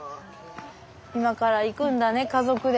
今から行くんだね家族で。